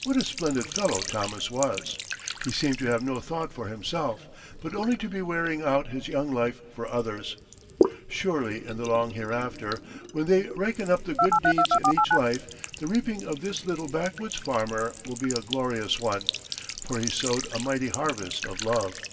What a splendid fellow Thomas was! He seemed to have no thought for himself, but only to be wearing out his young life for others. Surely in the long hereafter, when they reckon up the good deeds in each life, the reaping of this little backwoods' farmer will be a glorious one, for he sowed a mighty harvest of love.